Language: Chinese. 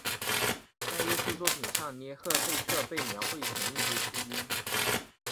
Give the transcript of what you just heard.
在艺术作品上涅赫贝特被描绘成一只秃鹰。